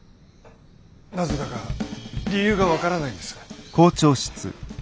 なぜだか理由が分からないんです。